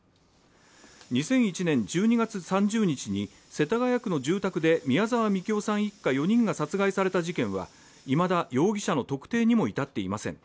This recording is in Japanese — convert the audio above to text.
２００１年１２月３０日に世田谷区の住宅で宮沢みきおさん一家４人が殺害された事件は、いまだ容疑者の特定にも至っていません。